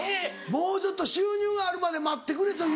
もうちょっと収入があるまで待ってくれという。